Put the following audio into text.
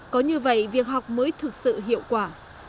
có như vậy việc học mới thực sự hiệu quả